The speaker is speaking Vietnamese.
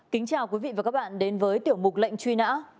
kính chào quý vị và các bạn đến với tiểu mục lệnh truy nã